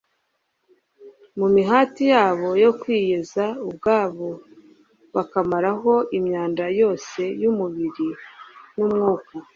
mu mihati yabo yo kwiyeza ubwabo bakamaraho imyanda yose y'umubiri n'umwuka